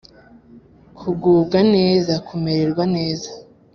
kugubwa neza: kumererwa neza